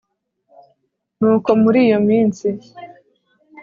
nuko muri iyo minsi